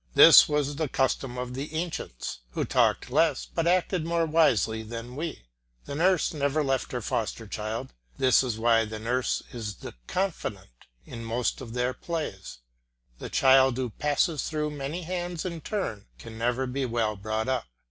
This was the custom of the ancients, who talked less but acted more wisely than we. The nurse never left her foster daughter; this is why the nurse is the confidante in most of their plays. A child who passes through many hands in turn, can never be well brought up.